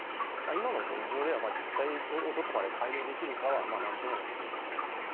今の現状では、実態をどこまで解明できるかは、なんとも言えません。